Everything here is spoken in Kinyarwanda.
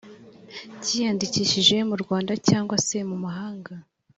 cyiyandikishije mu rwanda cyangwa se mumahanga